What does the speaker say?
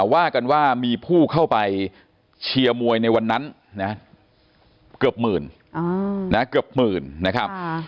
ว่ากันว่ามีผู้เข้าไปเชียร์มวยในวันนั้นนะเกือบหมื่นนะเกือบหมื่นนะครับ